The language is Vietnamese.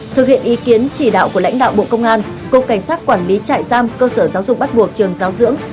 thực hiện ý kiến chỉ đạo của lãnh đạo bộ công an cục cảnh sát quản lý trại giam cơ sở giáo dục bắt buộc trường giáo dưỡng